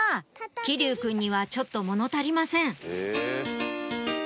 騎琉くんにはちょっと物足りません